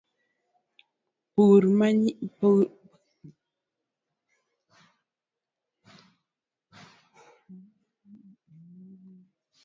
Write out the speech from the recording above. Puro yien konyo e loso kit lowo maber ma nyalo nyago mor kich.